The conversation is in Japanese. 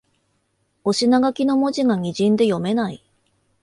お品書きの文字がにじんで読めない